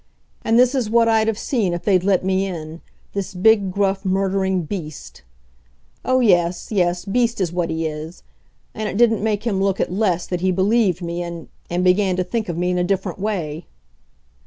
And this is what I'd have seen if they'd let me in this big, gruff, murdering beast! Oh, yes yes beast is what he is, and it didn't make him look it less that he believed me and and began to think of me in a different way.